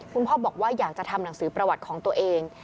คุณพ่อบอกว่าอยากจะทำหนังสือประวัติของตัวเอง